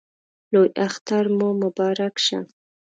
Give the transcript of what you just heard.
لوی اختر مو مبارک شه